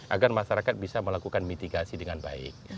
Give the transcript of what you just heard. agar masyarakat bisa melakukan mitigasi dengan baik